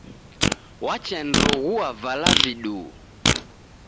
Wacha niroghua vala viduu.